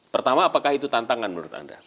pertama apakah itu tantangan menurut anda